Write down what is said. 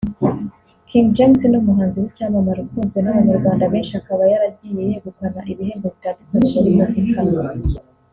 King James ni umuhanzi w’icyamamare ukunzwe n’abanyarwanda benshi akaba yaragiye yegukana ibihembo bitandukanye muri muzika